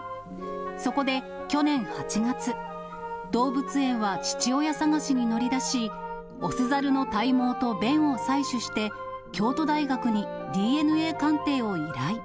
そこで去年８月、動物園は父親探しに乗り出し、雄ザルの体毛と便を採取して、京都大学にＤＮＡ鑑定を依頼。